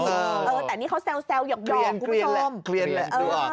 เออแต่นี่เขาแซวเหยาะกูไม่ชอบเออเออกลียนแหละ